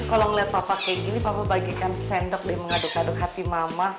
kalo ngeliat sosa kayak gini papa bagikan sendok deh mengaduk aduk hati mama